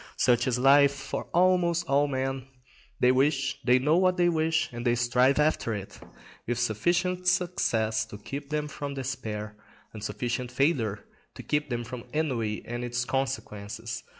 Such is life for almost all men; they wish, they know what they wish, and they strive after it, with sufficient success to keep them from despair, and sufficient failure to keep them from ennui and its consequences.